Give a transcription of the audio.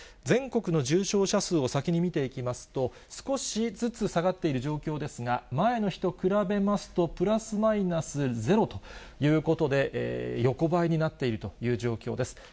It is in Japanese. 全国の重症者数を先に見ていきますと、少しずつ下がっている状況ですが、前の日と比べますと、プラスマイナスゼロということで、横ばいになっているという状況です。